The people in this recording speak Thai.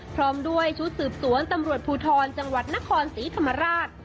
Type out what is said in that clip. พร้อมด้วยชุดสืบสวนตำรวจภูทรจังหวัดนครศรีธรรมราช